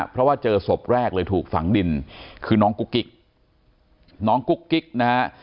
เพราะว่าเจอศพแรกเลยถูกฝังดินคือน้องกุ๊กกิ๊กน้องกุ๊กกิ๊กนะฮะ